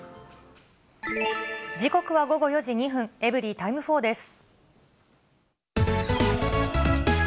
時刻は午後４時２分、エブリィタイム４です。